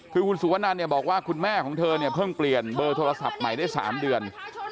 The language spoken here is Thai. คือคุณสุวนันเนี่ยบอกว่าคุณแม่ของเธอเนี่ยเพิ่งเปลี่ยนเบอร์โทรศัพท์ใหม่ได้๓เดือน